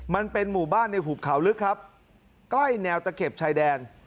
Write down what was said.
มันเป็นหมู่บ้านในหุบเขาลึกครับใกล้แนวตะเข็บชายแดน